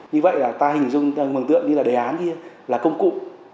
như vậy là ta hình dung ta hình dung như là đề án kia là công cụ